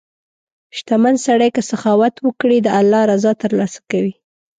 • شتمن سړی که سخاوت وکړي، د الله رضا ترلاسه کوي.